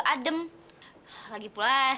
rasanya kayak wolves